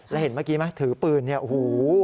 แล้วเห็นเมื่อกี้ไหมถือปืนเนี่ยโอ้โห